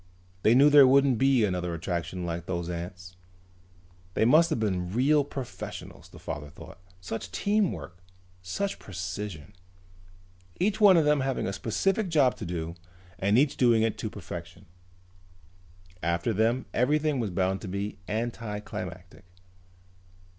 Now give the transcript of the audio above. They knew there wouldn't be another attraction like those ants. They must have been real professionals, the father thought. Such teamwork! Such precision! Each one of them having a specific job to do and each doing it to perfection. After them everything was bound to be anticlimactic.